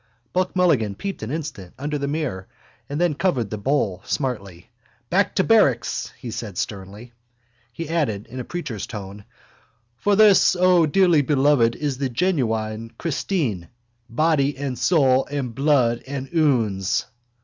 Buck Mulligan peeped an instant under the mirror and then covered the bowl smartly. —Back to barracks! he said sternly. He added in a preacher's tone: —For this, O dearly beloved, is the genuine Christine: body and soul and blood and ouns.